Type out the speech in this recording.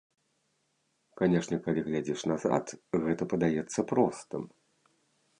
Канешне, калі глядзіш назад, гэта падаецца простым.